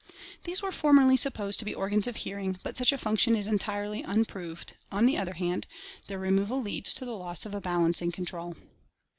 These were formerly supposed to be organs of hearing, but such a function is entirely unproved; on the other hand, their removal leads to the loss of balancing control.